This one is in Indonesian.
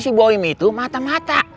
si boim itu mata mata